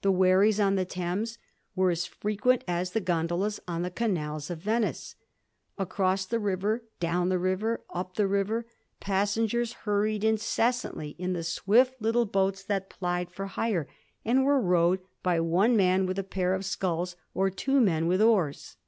The wherries on the Thames were as frequent as the gondolas on the canals of Venice. Across the river, down the river, up the river, passengers hurried incessantly in the swift little boats that plied for hire, and were rowed by one man with a pair of sculls or two men with oars.